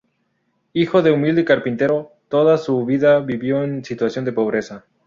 Hijo de un humilde carpintero, toda su vida vivió en situación de pobreza.